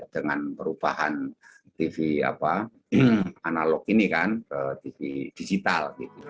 dengan perubahan tv analog ini kan ke tv digital